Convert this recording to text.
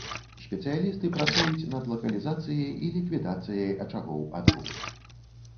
Спецыялісты працуюць над лакалізацыяй і ліквідацыяй ачагоў адру.